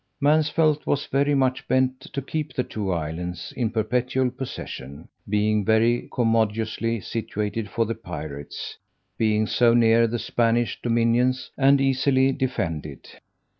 Mansvelt was very much bent to keep the two islands in perpetual possession, being very commodiously situated for the pirates; being so near the Spanish dominions, and easily defended.